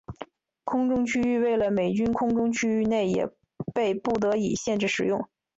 空中区域为了美军空中区域内也被不得已限制使用。